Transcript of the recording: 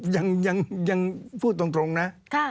ยังพูดตรงนะ